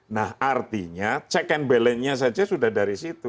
nah artinya check and balance nya saja sudah dari situ